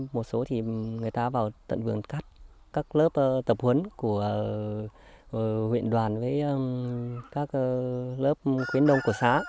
một số thì người ta vào tận vườn cắt các lớp tập huấn của huyện đoàn với các lớp khuyến đông của xã